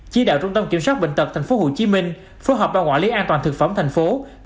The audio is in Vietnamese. chỉ đạo trung tâm kiểm soát bệnh tật tp hcm phối hợp bằng quản lý an toàn thực phẩm tp hcm